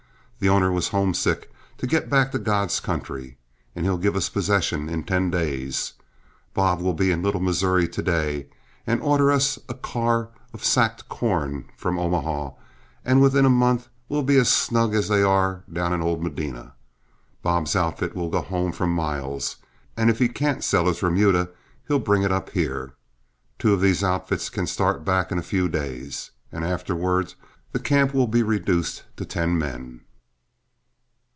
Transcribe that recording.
The owner was homesick to get back to God's country, and he'll give us possession in ten days. Bob will be in Little Missouri to day and order us a car of sacked corn from Omaha, and within a month we'll be as snug as they are down in old Medina. Bob's outfit will go home from Miles, and if he can't sell his remuda he'll bring it up here. Two of these outfits can start back in a few days, and afterward the camp will be reduced to ten men."